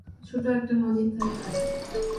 ছোটো একটা নদীর ধারে হাট।